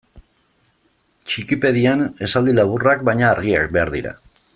Txikipedian esaldi laburrak baina argiak behar dira.